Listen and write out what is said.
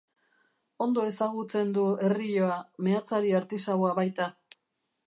Ondo ezagutzen du errioa, meatzari artisaua baita.